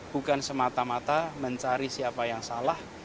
bukan semata mata mencari siapa yang salah